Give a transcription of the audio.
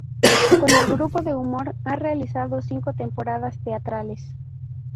Con el grupo de humor, ha realizado cinco temporadas teatrales.